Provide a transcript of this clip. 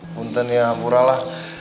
bukan ya murah lah